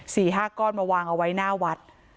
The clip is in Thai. สี่ห้าก้อนมาวางเอาไว้หน้าวัด